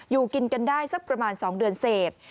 อยู่กินกันได้สักประมาณ๒เดือนเศษ